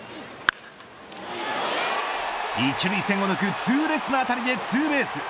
１塁線を抜く痛烈な当たりでツーベース。